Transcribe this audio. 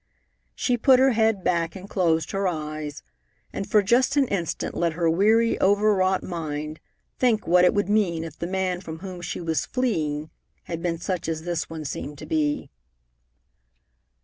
She put her head back and closed her eyes, and for just an instant let her weary, overwrought mind think what it would mean if the man from whom she was fleeing had been such as this one seemed to be.